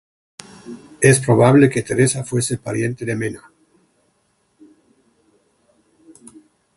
Es probable que Teresa fuese pariente de Mena.